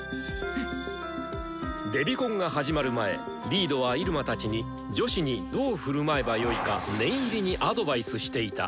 デビコンが始まる前リードは入間たちに女子にどう振る舞えばよいか念入りにアドバイスしていた。